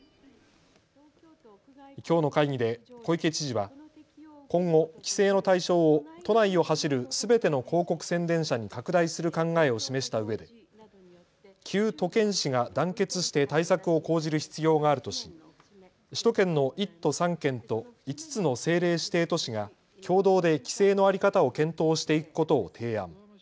きょうの会議で小池知事は今後、規制の対象を都内を走るすべての広告宣伝車に拡大する考えを示したうえで９都県市が団結して対策を講じる必要があるとし首都圏の１都３県と５つの政令指定都市が共同で規制の在り方を検討していくことを提案。